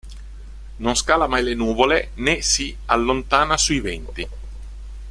Non scala mai le nuvole, né si allontana sui venti.